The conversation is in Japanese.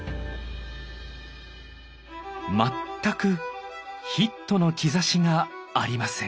全くヒットの兆しがありません。